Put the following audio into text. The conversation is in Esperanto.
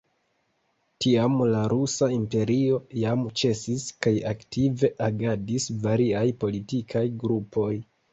Tiam la Rusa Imperio jam ĉesis kaj aktive agadis variaj politikaj grupoj.